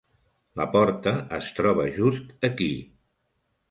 La porta es troba just aquí.